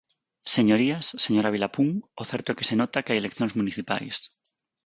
Señorías, señora Vilapún, o certo é que se nota que hai eleccións municipais.